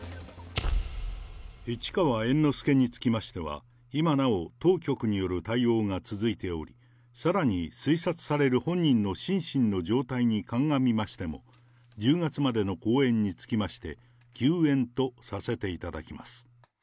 市川猿之助につきましては、今なお当局による対応が続いており、さらに推察される本人の心身の状態に鑑みましても、１０月までの公演につきまして、休演とさせていただきます。